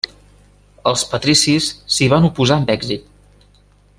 Els patricis s’hi van oposar amb èxit.